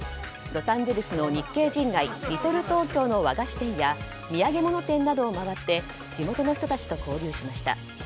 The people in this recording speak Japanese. ロサンゼルスの日系人街リトル・トーキョーの和菓子店や土産物店などを回って地元の人たちと交流しました。